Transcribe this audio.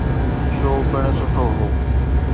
Show پڻ سٺو هو.